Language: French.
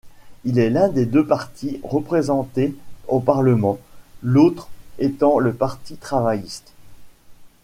Il est l'un des deux partis représentés au parlement, l'autre étant le Parti travailliste.